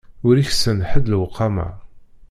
Ur iksan ḥedd lewqama.